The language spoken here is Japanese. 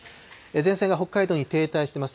前線が北海道に停滞してます。